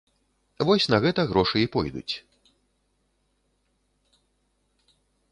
Вось на гэта грошы і пойдуць.